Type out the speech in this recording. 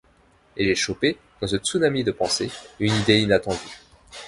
Et j’ai chopé, dans ce tsunami de pensées, une idée inattendue.